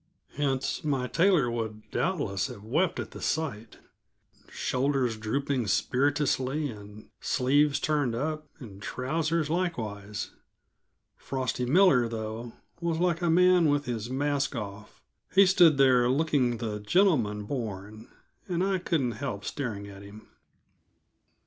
Hence my tailor would doubtless have wept at the sight; shoulders drooping spiritlessly, and sleeves turned up, and trousers likewise. Frosty Miller, though, was like a man with his mask off; he stood there looking the gentleman born, and I couldn't help staring at him.